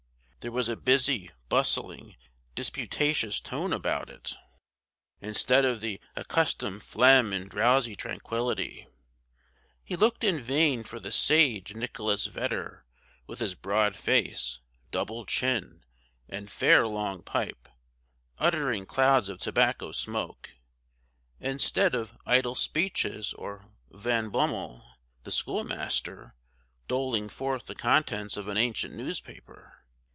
There was a busy, bustling, disputatious tone about it, instead of the accustomed phlegm and drowsy tranquillity. He looked in vain for the sage Nicholas Vedder, with his broad face, double chin, and fair long pipe, uttering clouds of tobacco smoke, instead of idle speeches; or Van Bummel, the schoolmaster, doling forth the contents of an ancient newspaper.